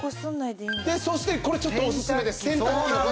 そしてこれちょっとお薦めです。